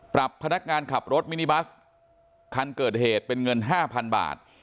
พนักงานขับรถมินิบัสคันเกิดเหตุเป็นเงิน๕๐๐๐บาท